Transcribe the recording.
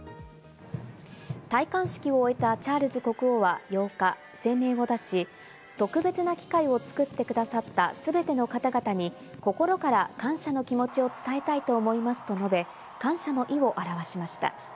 戴冠式を終えたチャールズ国王は８日声明を出し、特別な機会を作ってくださった全ての方々に心から感謝の気持ちを伝えたいと思いますと述べ、感謝の意を表しました。